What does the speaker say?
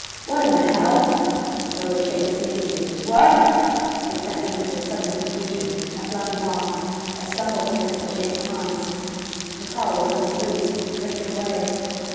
"What in the hell!" De Boer's shape seized me. "What " It sent me into a sudden confusion. I flung him off. I stumbled against the shape of Hans. The car was almost loose; drifting away.